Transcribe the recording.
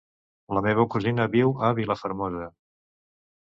La meva cosina viu a Vilafermosa.